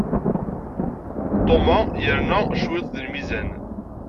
Thomas yerna cwiṭ deg lmizan.